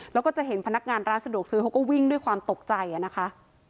แล้วก็จะเห็นพนักงานร้านสะดวกซื้อเขาก็วิ่งด้วยความตกใจนะคะ